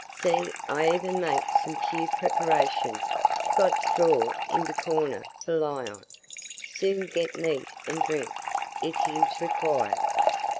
See, I even make some few preparations got straw in de corner for lie on soon git meat an' drink if him's required."